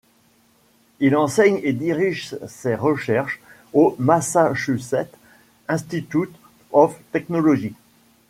Il enseigne et dirige ses recherches au Massachusetts Institute of Technology.